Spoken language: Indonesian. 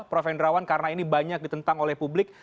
prof hendrawan karena ini banyak ditentang oleh publik